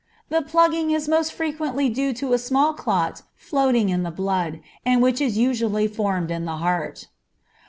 The plugging is most frequently due to a small clot floating in the blood, and which is usually formed in the heart.